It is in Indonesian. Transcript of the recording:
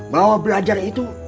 bahwa belajar itu